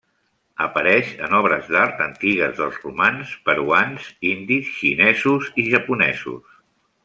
Apareix en obres d'art antigues dels romans, peruans, indis, xinesos i japonesos.